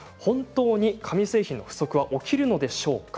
本当に紙製品の不足が起きるんでしょうか